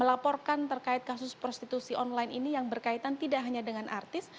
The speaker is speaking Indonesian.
melaporkan terkait kasus prostitusi online ini yang berkaitan tidak hanya dengan artis